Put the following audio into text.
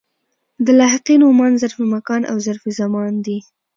د لاحقې نومان ظرف مکان او ظرف زمان دي.